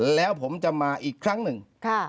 แล้วผมจะมาอีกครั้งหนึ่ง